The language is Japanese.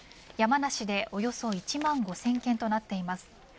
山梨でおよそ１万５０００軒となっています。